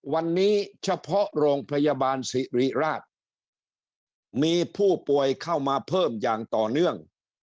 วันนี้เฉพาะโรงพยาบาลสิริราชมีผู้ป่วยเข้ามาเพิ่มอย่างต่อเนื่อง